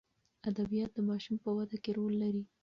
ادبیات د ماشوم په وده کې رول لري.